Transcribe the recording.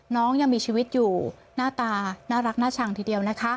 น้องยังมีชีวิตอยู่หน้าตาน่ารักน่าชังทีเดียวนะคะ